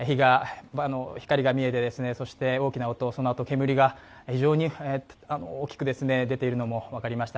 光が見えて、大きな音、そのあと煙が非常に大きく出ているのも分かりました。